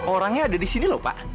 orangnya ada disini loh pak